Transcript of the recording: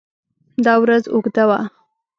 دا ورځ اوږده وه.